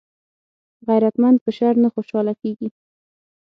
غیرتمند په شر نه خوشحاله کېږي